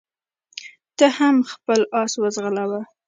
ته هم خپل اس وځغلوه.